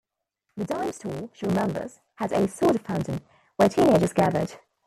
The dime store, she remembers, had a soda fountain, where teen-agers gathered.